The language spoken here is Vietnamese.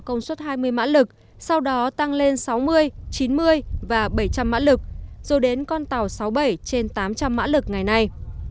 công suất hai mươi mã lực sau đó tăng lên sáu mươi chín mươi và bảy trăm linh mã lực rồi đến con tàu sáu mươi bảy trên tám trăm linh mã lực ngày nay